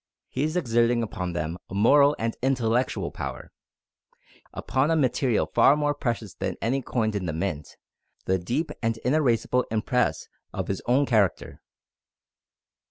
He is exerting upon them a moral and intellectual power. He is leaving, upon a material far more precious than any coined in the Mint, the deep and inerasible impress of his own character.